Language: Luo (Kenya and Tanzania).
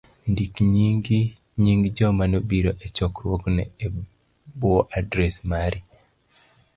ndik nying joma nobiro e chokruogno e bwo adres mari.